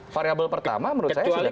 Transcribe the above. variabel pertama menurut saya sudah terjawab